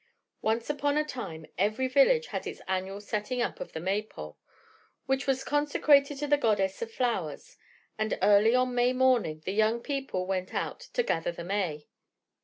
Once upon a time every village had its annual setting up of the May pole, which was consecrated to the Goddess of Flowers, and early on May morning the young people went out to "gather the May."